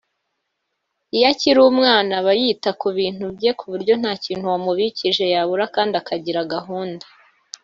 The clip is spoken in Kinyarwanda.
Iyo akiri umwana aba yita ku bintu bye ku buryo nta kintu wamubikije yabura kandi akagira gahunda